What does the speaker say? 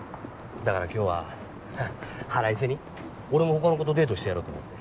だから今日は腹いせに俺もほかの子とデートしてやろうと思って。